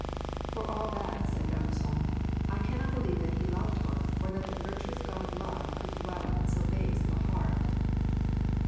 "For all that," said Dagoucin, "I cannot believe that he loved her, or that the virtuous god of love could dwell in so base a heart."